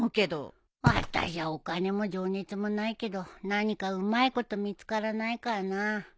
あたしゃお金も情熱もないけど何かうまいこと見つからないかな。